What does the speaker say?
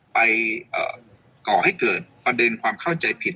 ก่อให้เกิดประเด็นความเข้าใจผิด